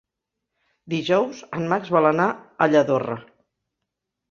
Dijous en Max vol anar a Lladorre.